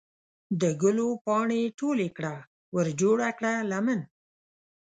د ګلو پاڼې ټولې کړه ورجوړه کړه لمن